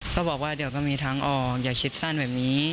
ก็บอกว่าเดี๋ยวก็มีทางออกอย่าคิดสั้นแบบนี้